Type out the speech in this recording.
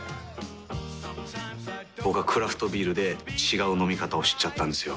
僕はクラフトビールで違う飲み方を知っちゃったんですよ。